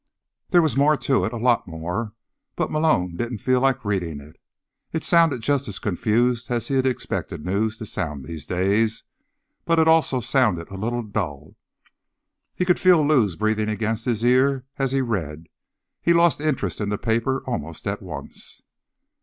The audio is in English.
There was more to it, a lot more, but Malone didn't feel like reading it. It sounded just as confused as he expected news to sound these days, but it also sounded a little dull. He could feel Lou's breathing against his ear as he read, and he lost interest in the paper almost at once.